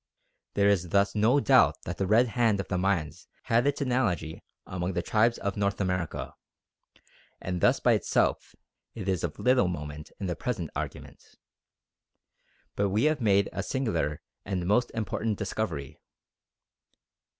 There is thus no doubt that the "red hand" of the Mayans had its analogy among the tribes of North America; and thus by itself it is of little moment in the present argument. But we have made a singular and most important discovery.